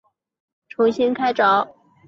天保六年僧稠参与小南海石窟的重新开凿。